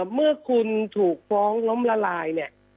เมื่อคุณถูกฟ้องล้มละลายเนี่ย